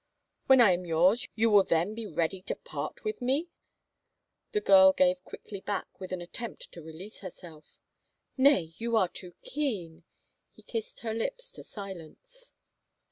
When I am yours you will then be ready to part with me?" the girl gave quickly back, with an attempt to release herself. " Nay — you are too keen —" he kissed her lips to silence.